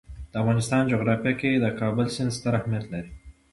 د افغانستان جغرافیه کې د کابل سیند ستر اهمیت لري.